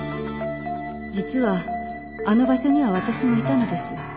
「実はあの場所には私もいたのです」